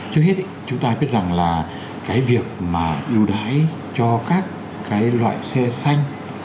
trước hết chúng ta biết rằng là cái việc mà ưu đãi cho các cái loại xe xanh